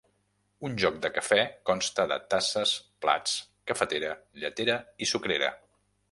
Un joc de cafè consta de tasses, plats, cafetera, lletera i sucrera.